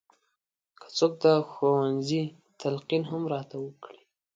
که څوک د ښوونځي تلقین هم راته وکړي.